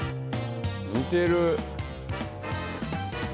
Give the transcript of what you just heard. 似てる。